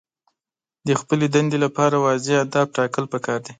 د خپلې دندې لپاره واضح اهداف ټاکل پکار دي.